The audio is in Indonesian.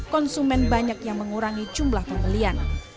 konsumen banyak yang mengurangi jumlah pembelian